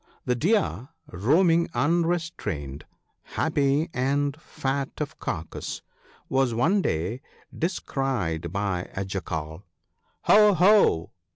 The Deer, roaming unrestrained, happy and fat of carcase, was one day descried by a Jackal. " Ho ! ho